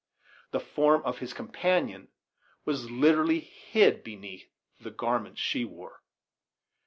The form of his companion was literally hid beneath the garments she wore.